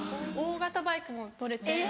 大型バイクも取れて。